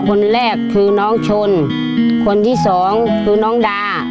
คนแรกคือน้องชนคนที่สองคือน้องดา